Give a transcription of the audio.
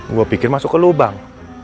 gue pikir masuk ke lubang